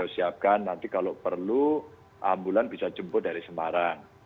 siapkan nanti kalau perlu ambulan bisa jemput dari semarang